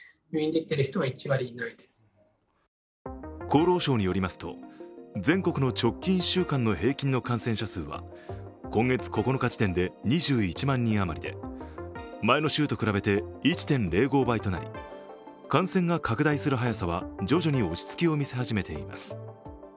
厚労省によりますと全国の直近１週間の平均の感染者数は今月９日時点で２１万人余りで、前の週と比べて１．０５倍となり、感染が拡大する速さは徐々に落ち着きを見せ始めています。